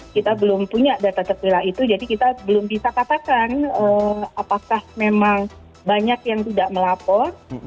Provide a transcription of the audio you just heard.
kita belum punya data terpilah itu jadi kita belum bisa katakan apakah memang banyak yang tidak melapor